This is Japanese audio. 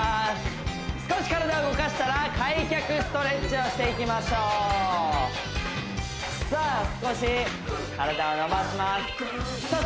少し体を動かしたら開脚ストレッチをしていきましょうさあ少し体を伸ばしますさあ